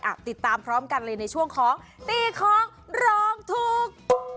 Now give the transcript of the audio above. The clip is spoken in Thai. ติดตามพร้อมกันเลยในช่วงของตีของร้องถูก